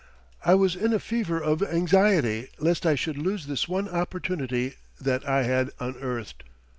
I was in a fever of anxiety lest I should lose this one opportunity that I had unearthed.